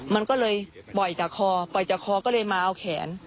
มันก็เลยปล่อยจากคอปล่อยจากคอก็เลยมาเอาแขน